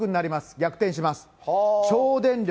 逆転します。